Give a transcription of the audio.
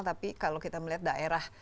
tapi kalau kita melihat daerah